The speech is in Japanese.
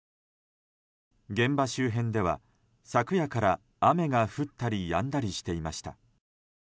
現場周辺では、昨夜から雨が降ったりやんだりしていました。